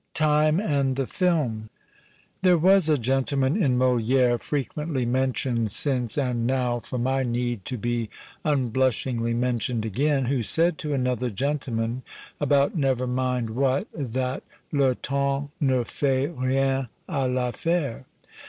226 TIME AND THE FILM There was a gentleman in Molicre, frequently mentioned since and now for my need to be un blushingly mentioned again, who said to another gentleman, about never mind what, that le temps ne fait rien a Vaffaire.